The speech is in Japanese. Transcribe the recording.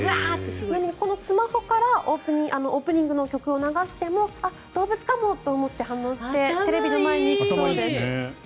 ちなみにスマホからこのオープニング曲を流しても動物かもって思って反応してテレビの前に行くそうです。